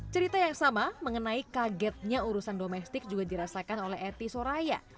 cerita yang sama mengenai kagetnya urusan domestik juga dirasakan oleh eti soraya